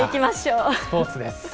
スポーツです。